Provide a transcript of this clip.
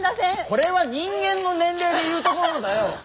これは人間の年齢でいうところだよ。